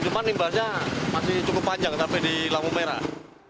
cuma imbasnya masih cukup panjang tapi di langu merah